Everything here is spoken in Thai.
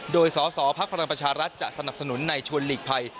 โดยสสพลังประชารัฐจะสนับสนุนในชวนหลีกภัย